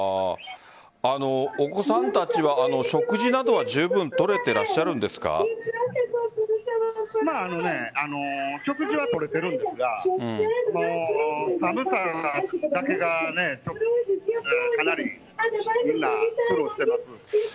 お子さんたちは食事などはじゅうぶん食事は取れているんですが寒さだけがかなり、みんな苦労しています。